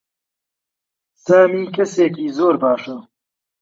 سامی کەسێکی زۆر باشە.